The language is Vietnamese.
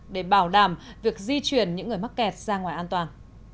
để bảo đảm việc di chuyển những người mắc kẹt ra ngoài an toàn